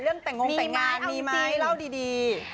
แต่งงแต่งงานมีไหมเล่าดี